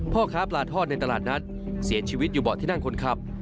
พ่อค้าปลาทอดในตลาดนัดเสียชีวิตอยู่เบาะที่นั่งคนขับ